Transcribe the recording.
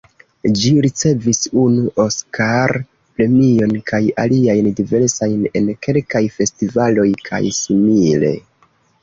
Ĝi ricevis unu Oskar-premion kaj aliajn diversajn en kelkaj festivaloj kaj simile.